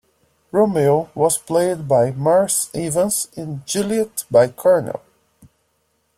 Romeo was played by Maurice Evans and Juliet by Cornell.